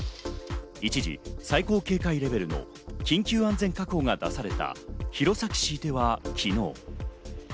一時、最高警戒レベルの緊急安全確保が出された弘前市では昨日。